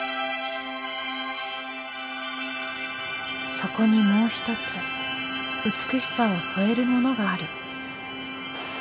そこにもう一つ美しさを添えるものがある。